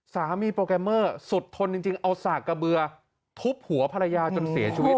โปรแกรมเมอร์สุดทนจริงเอาสากกระเบือทุบหัวภรรยาจนเสียชีวิต